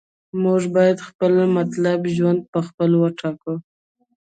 موږ باید خپل مطلوب ژوند په خپله وټاکو.